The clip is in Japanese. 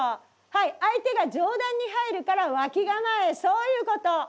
はい相手が上段に入るから脇構えそういうこと。